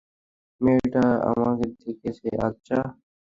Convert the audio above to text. মেয়েটা আমাকে দেখছে, আচ্ছা।